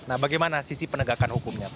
nah bagaimana sisi penegakan hukumnya